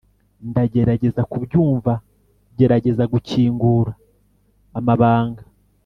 ndagerageza kubyumva, gerageza gukingura amabanga,